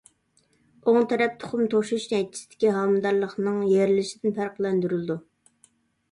ئوڭ تەرەپ تۇخۇم توشۇش نەيچىسىدىكى ھامىلىدارلىقنىڭ يېرىلىشىدىن پەرقلەندۈرۈلىدۇ.